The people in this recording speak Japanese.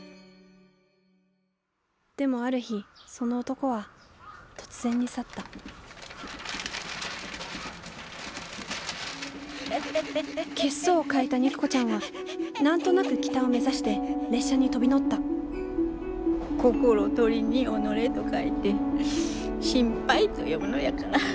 でもある日その男は突然に去った血相を変えた肉子ちゃんは何となく北を目指して列車に飛び乗った「心酉」に「己」と書いて「心配」と読むのやから。